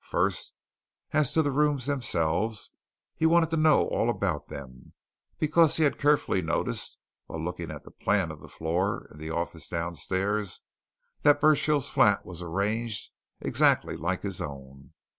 First, as to the rooms themselves he wanted to know all about them, because he had carefully noticed, while looking at the plan of that floor in the office downstairs, that Burchill's flat was arranged exactly like his own.